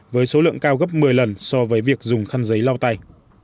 với số lượng cao gấp một mươi lần so với việc dùng khăn giấy lau tay